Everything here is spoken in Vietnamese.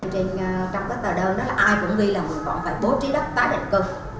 trong các tờ đơn đó là ai cũng ghi là mình còn phải bố trí đất tái đền cực